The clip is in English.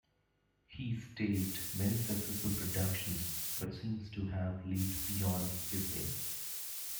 He staged many successful productions but seems to have lived beyond his means.